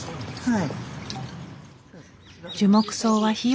はい。